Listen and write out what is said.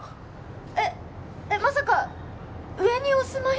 えっえっまさか上にお住まい